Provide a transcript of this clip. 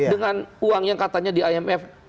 dengan uang yang katanya di imf